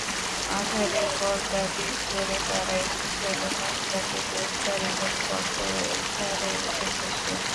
আঁধারের পর্দা ভেদ করে তারা এগিয়ে চলে মহিলাকে গ্রেফতার এবং পত্র উদ্ধারের উদ্দেশে।